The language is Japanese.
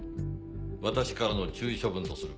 私からの注意処分とする。